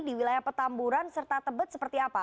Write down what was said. di wilayah petamburan serta tebet seperti apa